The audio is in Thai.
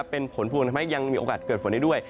เป็นผลพวงทำให้ยังมีโอกาสเกิดฝนได้ด้วย